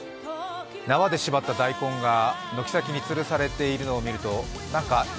縄でしばった大根が軒先につるされているのを見ると何かよ